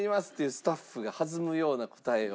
スタッフが弾むような答えを。